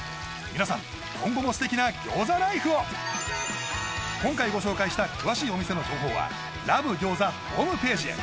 皆さん今後もステキな餃子ライフを今回ご紹介した詳しいお店の情報は「ＬＯＶＥ♥餃子」ホームページへ